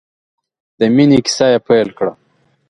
د مینې کیسه یې پیل کړه.